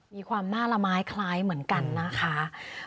มีความน่าละไม้คล้ายเหมือนกันนะคะ